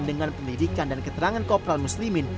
dengan pendidikan dan keterangan kopral muslimin